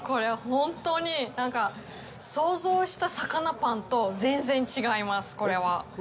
本当に想像した魚パンと全然違います、これは。